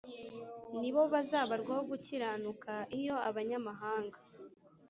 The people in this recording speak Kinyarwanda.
Ni bo bazabarwaho gukiranuka iyo abanyamahanga